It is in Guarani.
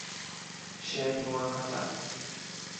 cheañua hatã